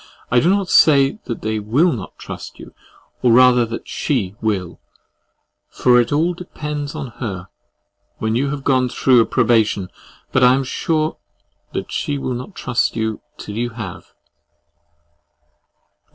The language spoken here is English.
I do not say that they will trust you, or rather that SHE will, for it all depends on her, when you have gone through a probation, but I am sure that she will not trust you till you have.